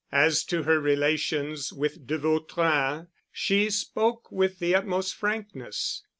As to her relations with de Vautrin, she spoke with the utmost frankness.